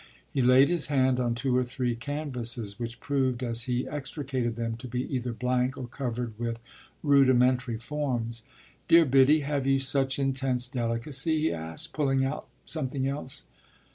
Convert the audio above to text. He laid his hand on two or three canvases which proved, as he extricated them, to be either blank or covered with rudimentary forms. "Dear Biddy, have you such intense delicacy?" he asked, pulling out something else.